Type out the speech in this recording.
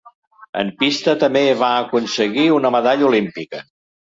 En pista, també va aconseguir una medalla olímpica.